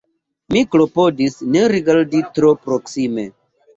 Mi klopodis ne rigardi tro proksime.